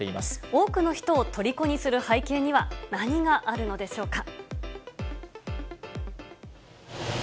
多くの人をとりこにする背景には、何があるのでしょうか。